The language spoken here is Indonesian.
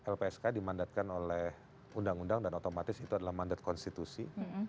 lpsk dimandatkan oleh undang undang dan otomatis itu adalah mandat konstitusi